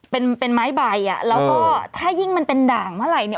เป็นเป็นไม้ใบอ่ะแล้วก็ถ้ายิ่งมันเป็นด่างเมื่อไหร่เนี่ย